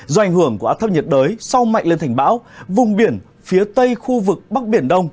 do ảnh hưởng của áp thấp nhiệt đới sau mạnh lên thành bão vùng biển phía tây khu vực bắc biển đông